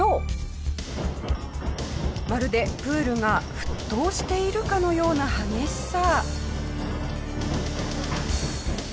まるでプールが沸騰しているかのような激しさ。